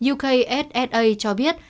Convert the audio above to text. ukssa cho biết